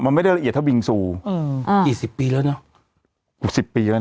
มันไม่ได้ละเอียดเท่าบิงซูอืมอ่ากี่สิบปีแล้วเนอะหกสิบปีแล้วนะ